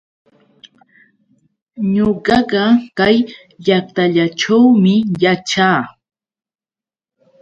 Ñuqaqa kay llaqtallaćhuumi yaćhaa.